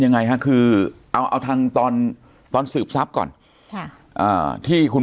ยังไงฮะคือเอาเอาทางตอนตอนสืบทรัพย์ก่อนค่ะอ่าที่คุณ